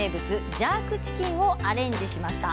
ジャークチキンをアレンジしました。